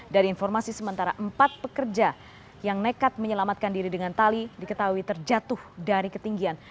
dari informasi sementara empat pekerja yang nekat menyelamatkan diri dengan tali diketahui terjatuh dari ketinggian